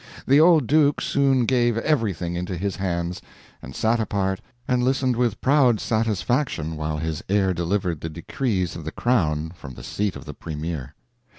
The old Duke soon gave everything into his hands, and sat apart and listened with proud satisfaction while his heir delivered the decrees of the crown from the seat of the premier.